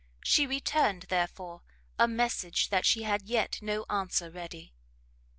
She returned, therefore, a message that she had yet no answer ready.